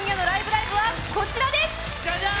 ライブ！」はこちらです！